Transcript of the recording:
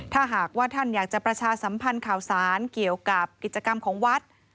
ถ้าหากว่าท่านอยากจะประชาสัมพันธ์ข่าวสารเกี่ยวกับกิจกรรมของวัด